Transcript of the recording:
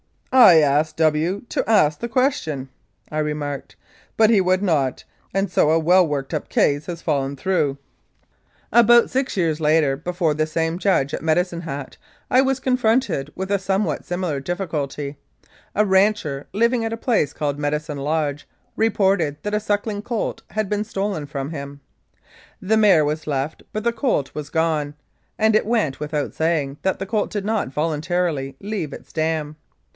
"I asked W to ask the question," I remarked, "but he would not, and so a well worked up case has fallen through." 288 Humours and Uncertainties of the Law About six years later, before the same judge at Medicine Hat, I was confronted with a somewhat similar difficulty. A rancher, living at a place called Medicine Lodge, reported that a suckling colt had been stolen from him. The mare was left, but the colt was gone, and it went without saying that the colt did not voluntarily leave its dam.